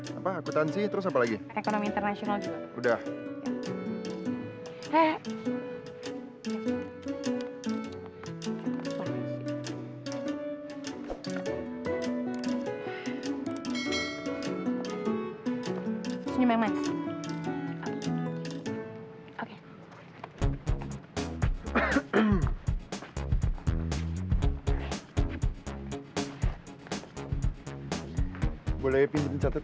nah apa akutansi terus apa lagi